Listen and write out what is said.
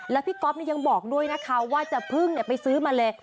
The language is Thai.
แล้วพี่ก๊อฟยังบอกด้วยนะคะว่าจะพึ่งไปซื้อมาเลย